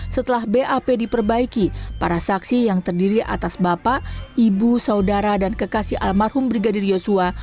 setelah bap diperbaiki para saksi yang terdiri atas bapak ibu saudara dan kekasih almarhum brigadir yosua